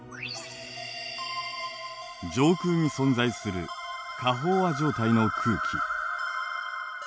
上空に存在する過飽和状態の空気。